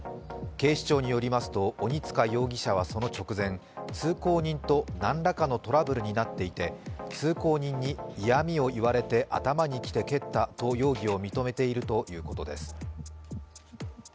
警視庁によりますと、鬼束容疑者はその直前、通行人と何らかのトラブルになっていて、通行人に嫌みを言われて嫌みを言われて頭にきて蹴ったと容疑を認めているということです。